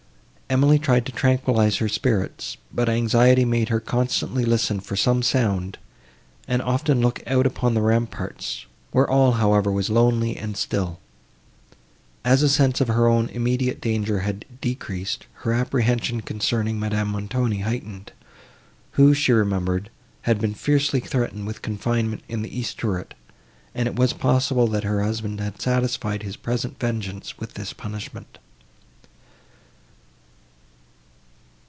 Emily tried to tranquillize her spirits, but anxiety made her constantly listen for some sound, and often look out upon the ramparts, where all, however, was lonely and still. As a sense of her own immediate danger had decreased, her apprehension concerning Madame Montoni heightened, who, she remembered, had been fiercely threatened with confinement in the east turret, and it was possible, that her husband had satisfied his present vengeance with this punishment.